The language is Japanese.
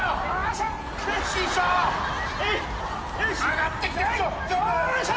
上がってきて師匠。